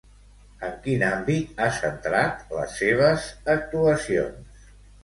En quin àmbit ha centrat les seves actuacions?